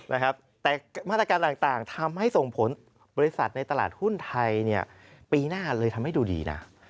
นะครับแต่มาตรการต่างทำให้ส่งผลบริษัทในตลาดหุ้นไทยเนี่ยปีหน้าเลยทำให้ดูดีนะ